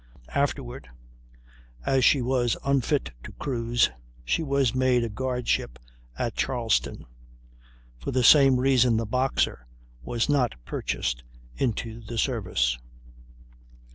Afterward, as she was unfit to cruise, she was made a guard ship at Charlestown; for the same reason the Boxer was not purchased into the service.